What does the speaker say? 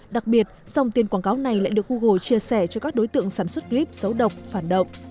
đặc biệt dòng tiền quảng cáo này lại được google chia sẻ cho các đối tượng sản xuất clip xấu độc phản động